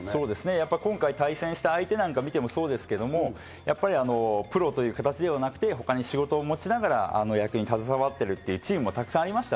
今回対戦した相手なんかを見てもそうですけど、プロという形ではなくて、他に仕事を持ちながら野球に携わっているというチームもたくさんありました。